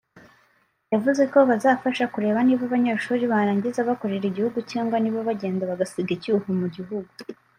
yavuze ko buzafasha kureba niba abanyeshuri barangiza bakorera igihugu cyangwa niba bagenda bagasiga icyuho mu gihugu